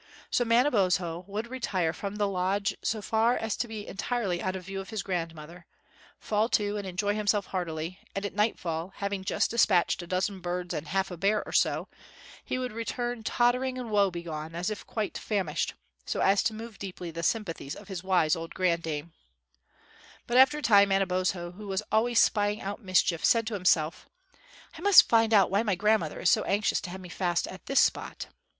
So Manabozho would retire from the lodge so far as to be entirely out of view of his grandmother, fall to and enjoy himself heartily, and at nightfall, having just despatched a dozen birds and half a bear or so, he would return tottering and woe begone, as if quite famished, so as to move deeply the sympathies of his wise old granddame. But after a time Manabozho, who was always spying out mischief, said to himself, "I must find out why my grandmother is so anxious to have me fast at this spot."